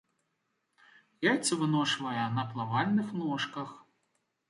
Яйцы выношвае на плавальных ножках.